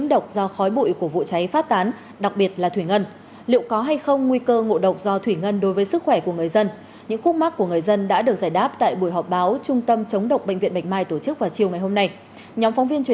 nhóm phóng viên truyền hình công an nhân dân đưa tin từ buổi họp báo